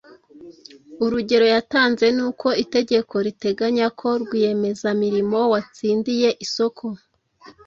urugero yatanze ni uko itegeko riteganya ko rwiyemezamirimo watsindiye isoko